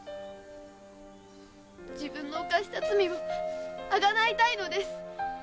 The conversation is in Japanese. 自分の犯した罪をあがないたいのです！